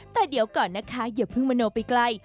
แต่เดี๋ยวก่อนนะคะอย่าเพิ่งมโนไปไกล